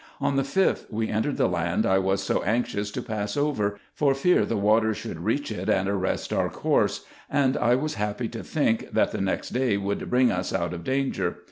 On the 5th we entered the land I was so anxious to pass over, for fear the water should reach it and arrest our course ; and I was happy to think, that the next day would bring us out of danger.